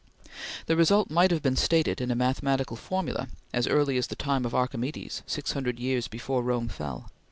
The result might have been stated in a mathematical formula as early as the time of Archimedes, six hundred years before Rome fell.